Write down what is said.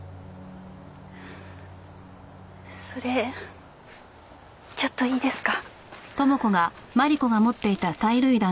それちょっといいですか？